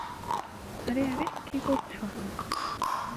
আরে, আরে, কী করছো?